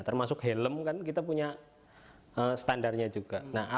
termasuk helm kan kita punya standarnya juga